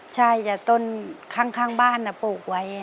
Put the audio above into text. ใช่แต่ต้นข้างบ้านปลูกไว้